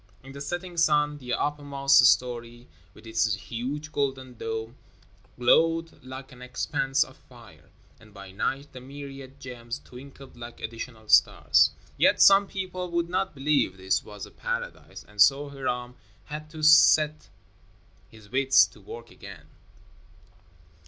In the setting sun the uppermost story, with its huge golden dome, glowed like an expanse of fire; and by night, the myriad gems twinkled like additional stars. Yet some people would not believe this was a paradise, and so Hiram had to set his wits to work again.